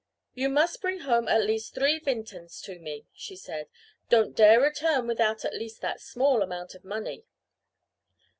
"You must bring home at least three vintens to me," she said. "Don't dare return without at least that small amount of money."